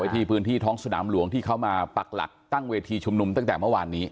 ที่พื้นที่ท้องสนามหลวงที่เขามาปักหลักตั้งเวทีชุมนุมตั้งแต่เมื่อวานนี้